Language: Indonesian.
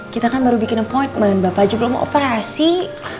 kita kan baru bikin appointment bapak aja belum operasi